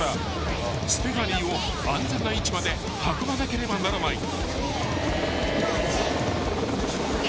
［ステファニーを安全な位置まで運ばなければならない］ＯＫ。